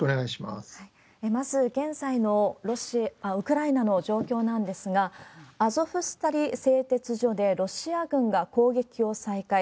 まず、現在のウクライナの状況なんですが、アゾフスタリ製鉄所でろしあぐんが攻撃を再開。